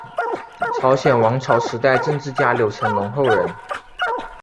朝鲜王朝时代政治家柳成龙后人。